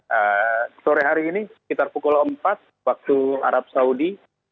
pada sore hari ini sekitar pukul empat waktu arab saudi